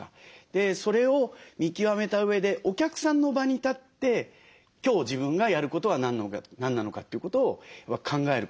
それを見極めたうえでお客さんの場に立って今日自分がやることは何なのかということを考えること。